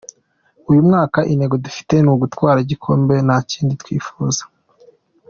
Uyu mwaka intego dufite ni ugutwara igikombe nta kindi twifuza.